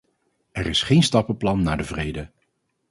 Er is geen stappenplan naar de vrede.